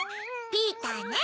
ピーターね。